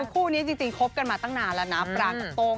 คู่นี้จริงคบกันมาตั้งนานแล้วนะปรางกับโต้ง